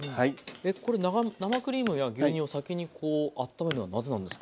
えっこれ生クリームや牛乳を先にあっためるのはなぜなんですか？